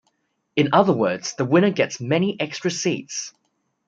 In other words, the winner gets many extra seats.